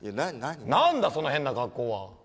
何だその変な格好は。